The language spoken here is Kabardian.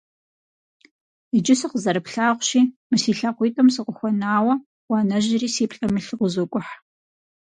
Иджы сыкъызэрыплъагъущи мы си лъакъуитӀым сыкъыхуэнауэ, уанэжьри си плӀэм илъу къызокӀухь.